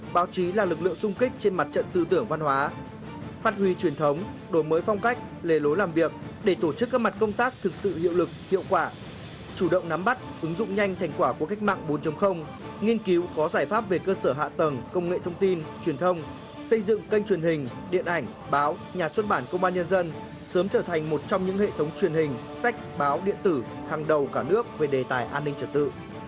báo chí là lực lượng sung kích trên mặt trận tư tưởng văn hóa phát huy truyền thống đổi mới phong cách lề lối làm việc để tổ chức các mặt công tác thực sự hiệu lực hiệu quả chủ động nắm bắt ứng dụng nhanh thành quả của cách mạng bốn nghiên cứu có giải pháp về cơ sở hạ tầng công nghệ thông tin truyền thông xây dựng kênh truyền hình điện ảnh báo nhà xuất bản công an nhân dân sớm trở thành một trong những hệ thống truyền hình sách báo điện tử hàng đầu cả nước về đề tài an ninh trật tự